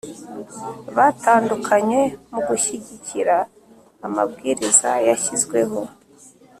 batandukanye mu gushyigikira amabwiriza yashyizweho